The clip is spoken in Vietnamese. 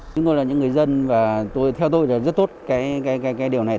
chúng tôi là những người dân và theo tôi là rất tốt cái điều này